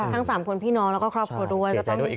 ทั้ง๓คนพี่น้องแล้วก็ครอบครัวด้วย